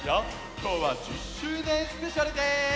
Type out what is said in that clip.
きょうは１０周年スペシャルです！